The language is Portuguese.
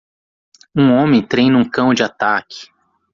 Um homem treina um cão de ataque.